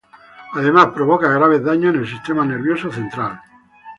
Además provoca graves daños en el sistema nervioso central.